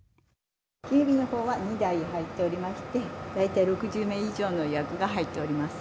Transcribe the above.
金曜日のほうは２台入っておりまして、大体６０名以上の予約が入っております。